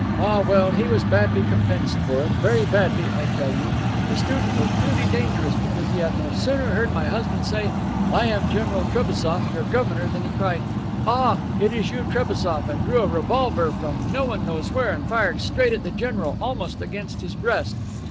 Ah, well, he was badly compensed for it, very badly, I tell you. The student was truly dangerous, because he had no sooner heard my husband say, 'I am General Trebassof, your governor,' than he cried, 'Ah, is it you, Trebassoff' and drew a revolver from no one knows where and fired straight at the general, almost against his breast.